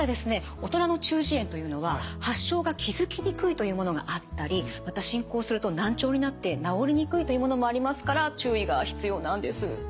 大人の中耳炎というのは発症が気付きにくいというものがあったりまた進行すると難聴になって治りにくいというものもありますから注意が必要なんです。